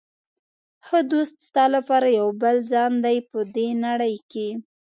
ښه دوست ستا لپاره یو بل ځان دی په دې نړۍ کې.